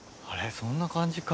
そんな感じか。